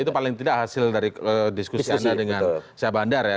itu paling tidak hasil dari diskusi anda dengan syah bandar ya